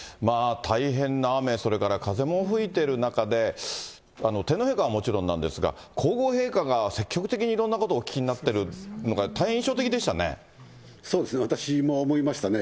大変な雨、それから風も吹いてる中で、天皇陛下はもちろんなんですが、皇后陛下が積極的にいろんなことをお聞きになってるのが大私も思いましたね。